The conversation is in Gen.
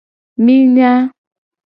Mi nya.